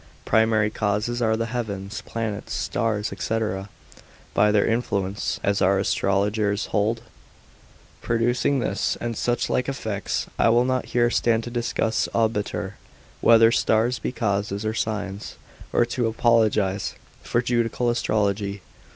Primary causes are the heavens, planets, stars, &c., by their influence (as our astrologers hold) producing this and such like effects. I will not here stand to discuss obiter, whether stars be causes, or signs; or to apologise for judical astrology.